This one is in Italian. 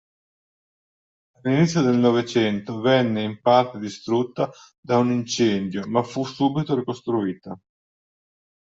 All'inizio del Novecento venne in parte distrutta da un incendio, ma fu subito ricostruita.